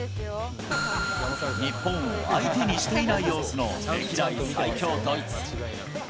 日本を相手にしていない様子の歴代最強ドイツ。